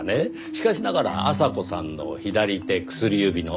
しかしながら阿佐子さんの左手薬指の痕。